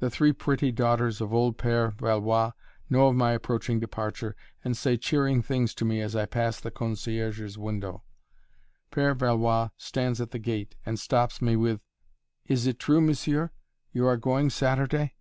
The three pretty daughters of old Père Valois know of my approaching departure, and say cheering things to me as I pass the concierge's window. Père Valois stands at the gate and stops me with: "Is it true, monsieur, you are going Saturday?"